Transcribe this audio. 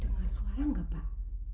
dengar suara nggak pak